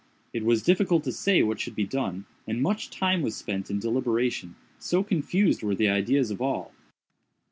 It was difficult to say what should be done, and much time was spent in deliberation—so confused were the ideas of all.